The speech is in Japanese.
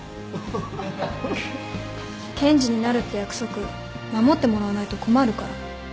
検事になるって約束守ってもらわないと困るから。